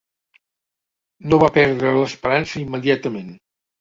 No va perdre l'esperança immediatament.